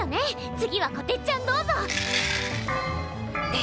次はこてっちゃんどうぞ！